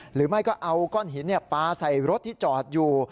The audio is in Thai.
หรือไม่ก็เอาก้อนหินปลาใส่รถที่จอดอยู่